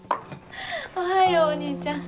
おはようお兄ちゃん。